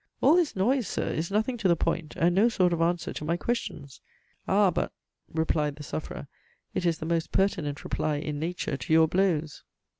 "All this noise, Sir! is nothing to the point, and no sort of answer to my questions!" "Ah! but," (replied the sufferer,) "it is the most pertinent reply in nature to your blows."